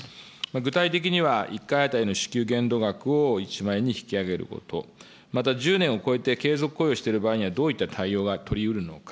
具体的には１回当たりの支給限度額を１万円に引き上げること、また１０年を超えて継続雇用している場合にはどういった対応が取りうるのか。